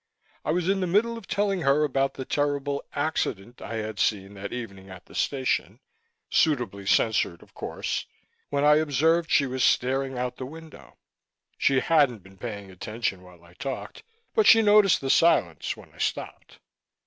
I was in the middle of telling her about the terrible "accident" I had seen that evening at the station suitably censored, of course when I observed she was staring out the window. She hadn't been paying attention while I talked, but she noticed the silence when I stopped.